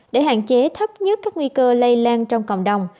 để hạn chế thấp nhất các nguy cơ lây lan trong cộng đồng